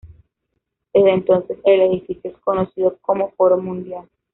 Desde entonces el edificio es conocido como Foro Mundial.